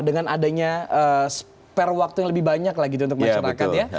dengan adanya spare waktu yang lebih banyak lah gitu untuk masyarakat ya